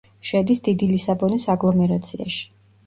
შედის დიდი ლისაბონის აგლომერაციაში.